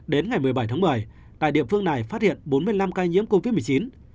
đến ngày một mươi bảy tháng một mươi tại địa phương này phát hiện bốn mươi năm ca nhiễm covid một mươi chín